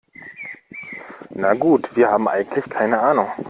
Na gut, wir haben eigentlich keine Ahnung.